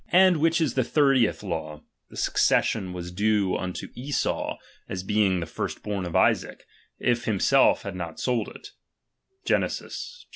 And, which is the thirteenth law, the succession was due unto Esau, as being the first born of Isaac ; if himself had not sold it (Gen. XXV.